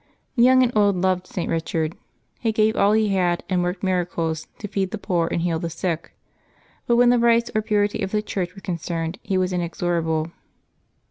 Young and old loved St. Eichard. He gave all he had, and worked miracles, to feed the poor and heal the sick; but when the rights or purity of the Church were concerned he was inexorable.